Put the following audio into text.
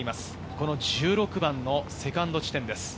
この１６番のセカンド地点です。